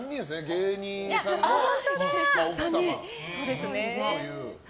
芸人さんの奥様という。